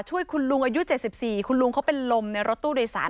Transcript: ช่วยคุณลุงอายุ๗๔คุณลุงเขาเป็นลมในรถตู้โดยสาร